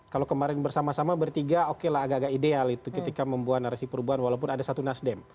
kalau kemarin bersama sama bertiga oke lah agak agak ideal itu ketika membuat narasi perubahan walaupun ada satu nasdem